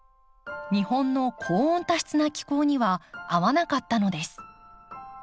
日本の高温多湿な気候には合わなかったのです。